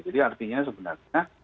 jadi artinya sebenarnya